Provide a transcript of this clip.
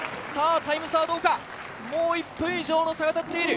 タイム差は、もう１分以上の差がたっている。